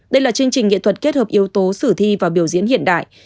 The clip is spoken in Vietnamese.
đây là chương trình nghệ thuật kết hợp yếu tố sử thi và biểu diễn hiện đại